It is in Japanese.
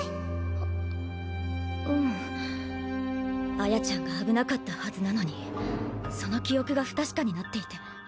はっ亜耶ちゃんが危なかったはずなのにその記憶が不確かになっていて。